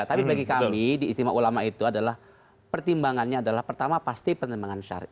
tapi bagi kami di istimewa ulama itu adalah pertimbangannya adalah pertama pasti pertimbangan syariat